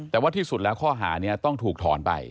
แต่ว่าที่สุดแล้วข้อหานี้ต้องถูกถอนไป